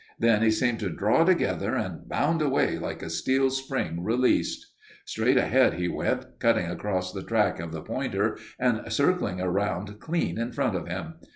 Then he seemed to draw together and bound away like a steel spring released. Straight ahead he went, cutting across the track of the pointer and circling around clean in front of him.